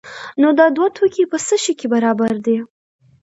نو دا دوه توکي په څه شي کې برابر دي؟